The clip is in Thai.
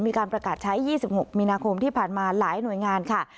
มีการประกาศใช้๒๖มีนาคมที่ผ่านมาหลายหน่วยงานค่ะ